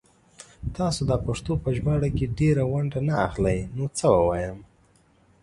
تاسو دا پښتو په ژباړه کې ډيره ونډه نه اخلئ نو څه ووايم